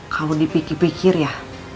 kamu dipikir pikir ya